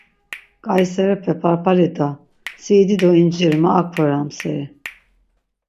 K̆ai serepe parpali da, si idi do inciri ma ak vore amseri.